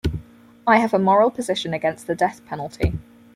I have a moral position against the death penalty.